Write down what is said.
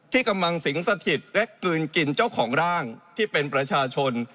ที่กำลังสิงสถิตและกลืนกินเจ้าของร่างที่เป็นประชาชน